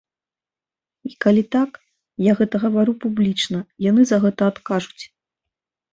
І калі так, я гэта гавару публічна, яны за гэта адкажуць.